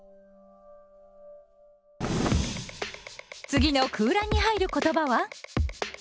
次の空欄に入る言葉は？